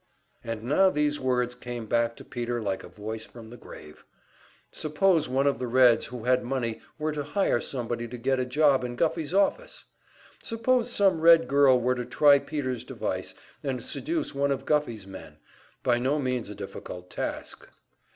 And now these words came back to Peter like a voice from the grave. Suppose one of the Reds who had money were to hire somebody to get a job in Guffey's office! Suppose some Red girl were to try Peter's device, and seduce one of Guffey's men by no means a difficult task!